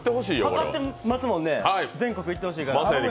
かかってますもんね、全国いってほしいから。